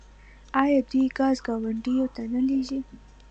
آیا دوی ګاز ګاونډیو ته نه لیږي؟